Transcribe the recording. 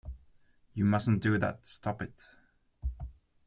You mustn't do that. Stop it!